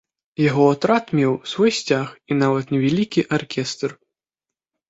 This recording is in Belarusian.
Яго атрад меў свой сцяг і нават невялікі аркестр.